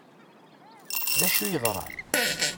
D acu i yeḍṛan?